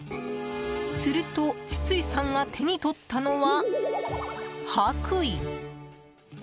すると、シツイさんが手に取ったのは白衣。